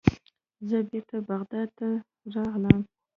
زه بیرته بغداد ته راغلم.